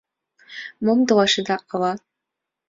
— Мом толашеда, ала?